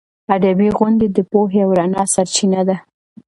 ادبي غونډې د پوهې او رڼا سرچینه ده.